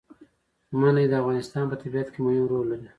منی د افغانستان په طبیعت کې مهم رول لري.